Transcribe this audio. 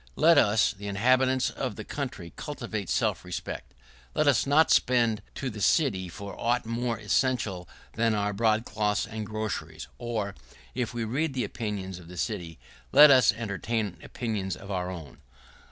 Let us, the inhabitants of the country, cultivate self respect. Let us not send to the city for aught more essential than our broadcloths and groceries; or, if we read the opinions of the city, let us entertain opinions of our own.